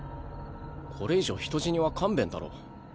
これ以上人死には勘弁だろ。